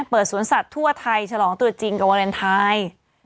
สวนสัตว์ทั่วไทยฉลองตัวจริงกับวาเลนไทย